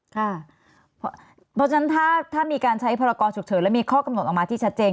เพราะฉะนั้นถ้ามีการใช้พรกรฉุกเฉินและมีข้อกำหนดออกมาที่ชัดเจน